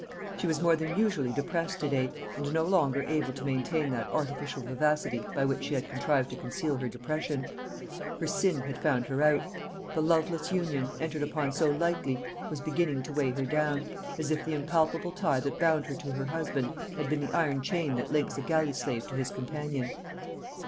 She was more than usually depressed to day, and no longer able to maintain that artificial vivacity by which she had contrived to conceal her depression. Her sin had found her out. The loveless union, entered upon so lightly, was beginning to weigh her down, as if the impalpable tie that bound her to her husband had been the iron chain that links a galley slave to his companion.